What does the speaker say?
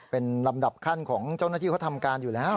เป็นลำดับขั้นของเจ้าหน้าที่เขาทำการอยู่แล้ว